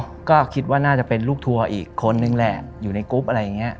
ก็คิดว่าน่าจะเป็นลูกทัวร์อีกคนนึงแหละอยู่ในกรุ๊ปอะไรอย่างนี้